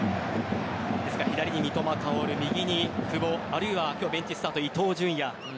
左に三笘薫、右に久保あるいは今日ベンチスタートの伊東純也。